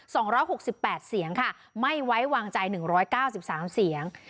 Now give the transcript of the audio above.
สองร้อยหกสิบแปดเสียงค่ะไม่ไว้วางใจหนึ่งร้อยเก้าสิบสามเสียง